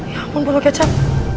ya ampun perlu kecap